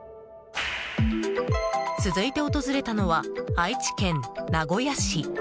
続いて訪れたのは愛知県名古屋市。